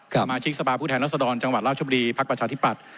สมาชิกสปาปผู้แทนและสดรจังหวัดราชบรีพปฐภัฐ